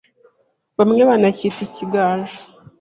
bamwe banacyita igikaju